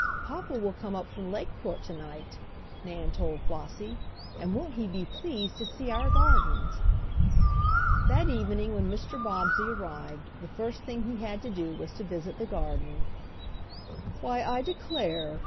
"Papa will come up from Lakeport to night," Nan told Flossie; "and won't he be pleased to see our gardens!" That evening when Mr. Bobbsey arrived the first thing he had to do was to visit the garden. "Why, I declare!"